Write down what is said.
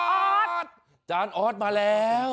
อาจารย์ออสมาแล้ว